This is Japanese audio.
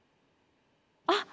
あっ。